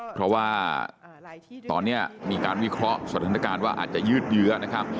เพราะว่าตอนนี้มีการวิเคราะห์สถานการณ์ว่าอาจจะยืดเยื้อนะครับ